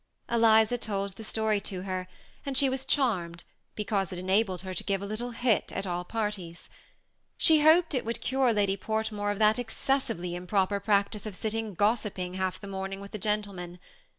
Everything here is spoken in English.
Eliza told the story to her, and she 184 THE SEia*ATTACHED COUPLE. was charmed, because it enabled her to give a little hit at all parties. She hoped it would cure Lady Fort more of that excessively improper practice of sitting gossiping half the morning with the gentlemen.